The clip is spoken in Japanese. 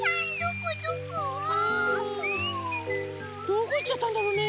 どこいっちゃったんだろうね？